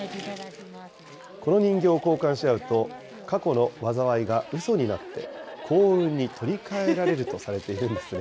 この人形を交換し合うと、過去の災いがうそになって、幸運に取りかえられるとされているんですね。